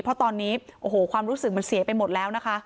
เพราะตอนนี้โอ้โหความรู้สึกมันเสียไปหมดแล้วนะคะ